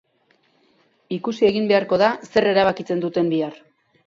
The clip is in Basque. Ikusi egin beharko da zer erabakitzen duten bihar.